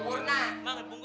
dua porsi bang ojo